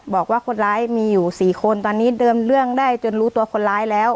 บอกว่าคนร้ายมีอยู่๔คนตอนนี้เดิมเรื่องได้จนรู้ตัวคนร้ายแล้ว